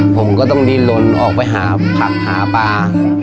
ผมก็ต้องดินลนออกไปหาผักหาปลา